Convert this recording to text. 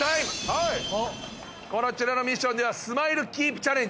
こちらのミッションではスマイルキープチャレンジ！